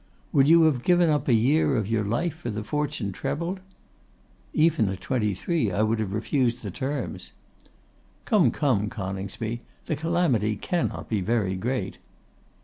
'Would you have given up a year of your life for that fortune trebled?' 'Even at twenty three I would have refused the terms.' 'Come, come, Coningsby, the calamity cannot be very great.